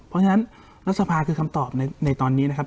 เพราะฉะนั้นรัฐสภาคือคำตอบในตอนนี้นะครับ